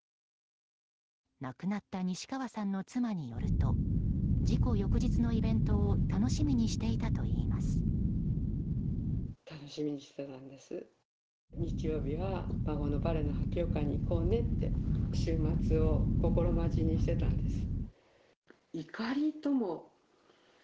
亡くなった西川さんの妻によると事故翌日のイベントを楽しみにしていたといいます。